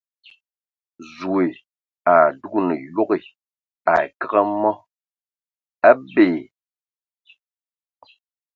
Zoe a dugan yoge ai kǝg a mɔ, a bee !